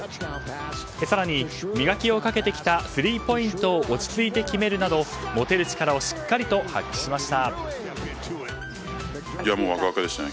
更に磨きをかけてきたスリーポイントを落ち着いて決めるなど持てる力をしっかりと発揮しました。